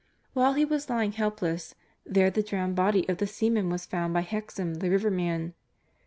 While he was lying helpless there the drowned body of the seaman was found by Hexam, the riverman.